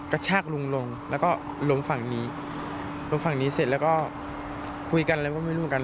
กระชากลุงลงแล้วก็ล้มฝั่งนี้ล้มฝั่งนี้เสร็จแล้วก็คุยกันอะไรก็ไม่รู้เหมือนกัน